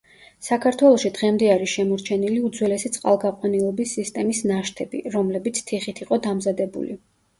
საქართველოში დღემდე არის შემორჩენილი უძველესი წყალგაყვანილობის სისტემის ნაშთები, რომლებიც თიხით იყო დამზადებული.